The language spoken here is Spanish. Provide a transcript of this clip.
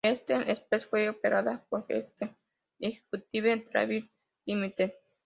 Jetstream Express fue operada por "Jetstream Executive Travel Limited".